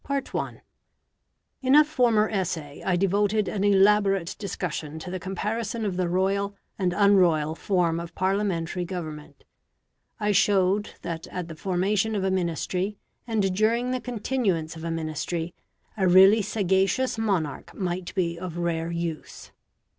In a former essay I devoted an elaborate discussion to the comparison of the royal and unroyal form of Parliamentary government. I showed that at the formation of a Ministry, and during the continuance of a Ministry, a really sagacious monarch might be of rare use.